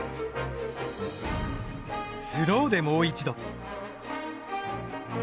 スローでもう一度。